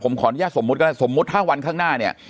ผมขออนุญาตสมมติน่ะสมมติถ้าวันข้างหน้านี้